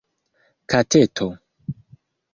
kateto